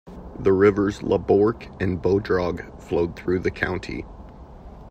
The rivers Laborc and Bodrog flowed through the county.